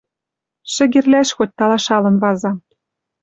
«Шӹгерлӓш хоть талашалын вазам